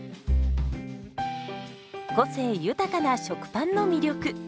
個性豊かな食パンの魅力。